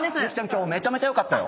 今日めちゃめちゃ良かったよ。